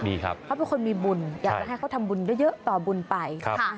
เขาเป็นคนมีบุญอยากจะให้เขาทำบุญเยอะต่อบุญไป